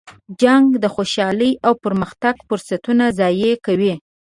جنګ د خوشحالۍ او پرمختګ فرصتونه ضایع کوي.